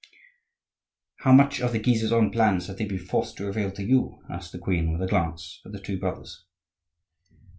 "How much of the Guises' own plans have they been forced to reveal to you?" asked the queen, with a glance at the two brothers.